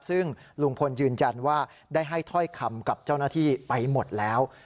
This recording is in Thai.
ซึ่งลุงพลยืนยันว่าได้ให้ถ้อยคำกับเจ้าหน้าที่ไปหมดแล้ว